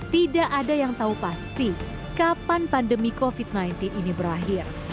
tidak ada yang tahu pasti kapan pandemi covid sembilan belas ini berakhir